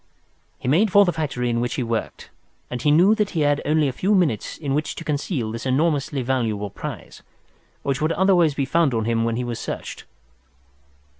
He made for the factory in which he worked, and he knew that he had only a few minutes in which to conceal this enormously valuable prize, which would otherwise be found on him when he was searched.